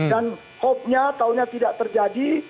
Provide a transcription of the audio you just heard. dan hope nya tahunnya tidak terjadi